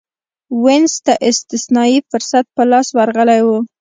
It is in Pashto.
وینز ته استثنايي فرصت په لاس ورغلی و